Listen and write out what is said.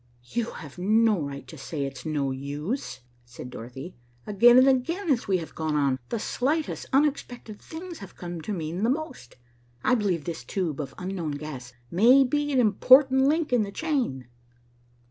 "You have no right to say that it's no use," said Dorothy. "Again and again as we have gone on, the slightest unexpected things have come to mean the most. I believe this tube of unknown gas may be a most important link in the chain."